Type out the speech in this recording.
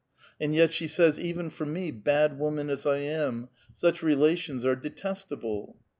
and 3'et she says :'* Even for me, bad woman as I am, such relations are detestable."